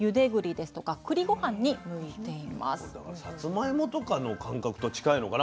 だからさつまいもとかの感覚と近いのかな。